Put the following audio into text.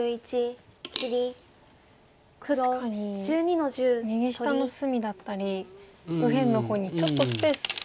確かに右下の隅だったり右辺の方にちょっとスペース作ることは。